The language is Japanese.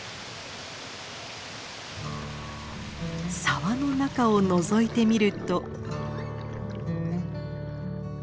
沢の中をのぞいてみると。